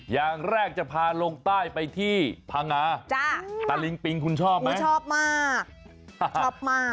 อย่างแรกจะพาลงใต้ไปที่พังงาตะลิงปิงคุณชอบไหมชอบมากชอบมาก